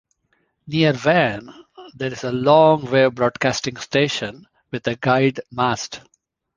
Near Van, there is a longwave broadcasting station with a guyed mast.